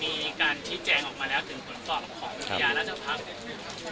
มีการที่แจงออกมาแล้วถึงตรวจสอบของวิทยาราชภัพธ์